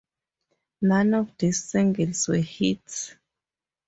None of these singles were hits.